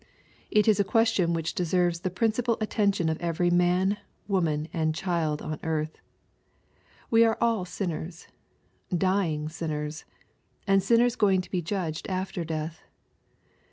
It is a question which deserves the principal attention of every man, woman, and child on earth. We jje all sinners — dying sinners, and sinners going to be judged after death.